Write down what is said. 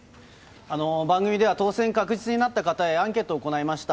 番組では当選確実になった方へアンケートを行いました。